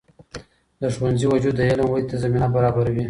د ښوونځي وجود د علم ودې ته زمینه برابروي.